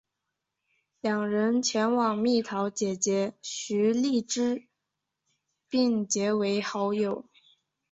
两人前往蜜桃姐姐徐荔枝并结为好友。